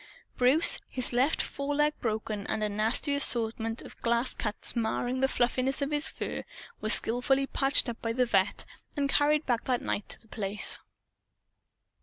Bruce, his left foreleg broken and a nasty assortment of glass cuts marring the fluffiness of his fur, was skillfully patched up by the vet' and carried back that night to The Place.